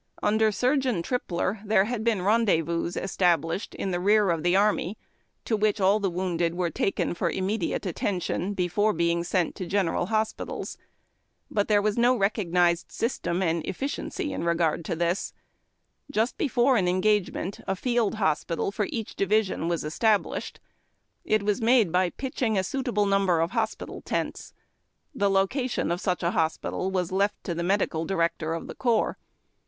Under Surgeon Tripler, there had been rendezvous established in rear of the army, to which all the wounded were taken for immediate attention, before A FOUR WHEELED AMBULANCE. being sent to general hospitals. But there was no recog nized system and efficiency in regard to it. Just before an engagement, a field hospital for each division was established. It was made by pitching a suitable numljer of hospital tents. The location of such a hospital was left to the medical direc tor of the corps.